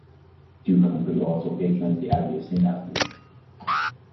Duke Humphrey also patronised the Abbey of Saint Albans.